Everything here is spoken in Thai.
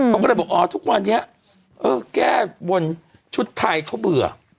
เขาก็เลยบอกอ๋อทุกวันนี้แก้บนชุดไทยเขาเบื่อ